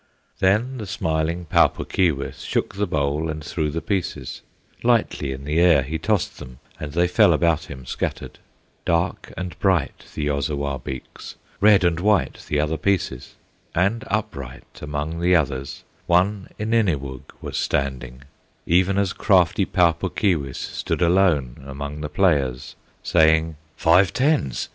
Then the smiling Pau Puk Keewis Shook the bowl and threw the pieces; Lightly in the air he tossed them, And they fell about him scattered; Dark and bright the Ozawabeeks, Red and white the other pieces, And upright among the others One Ininewug was standing, Even as crafty Pau Puk Keewis Stood alone among the players, Saying, "Five tens!